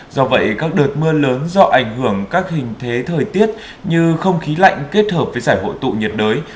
do vậy các đợt mưa lớn do ảnh hưởng các hình thế thời tiết như không khí lạnh kết hợp với giải hội tụ nhiệt đới